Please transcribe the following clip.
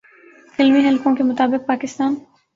فلمی حلقوں کے مطابق پاکستان